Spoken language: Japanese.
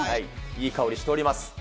いい香りしております。